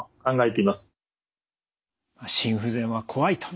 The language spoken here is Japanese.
心不全は怖いと。